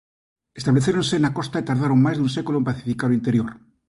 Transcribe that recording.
Establecéronse na costa e tardaron máis dun século en pacificar o interior.